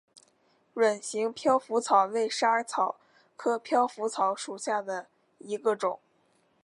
卵形飘拂草为莎草科飘拂草属下的一个种。